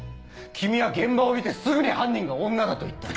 君は現場を見てすぐに犯人が女だと言った。